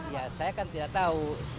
ya saya kan tidak tahu